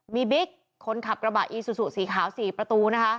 มีบิ๊กคนขับกระบะอีซูซูสีขาว๔ประตูนะคะ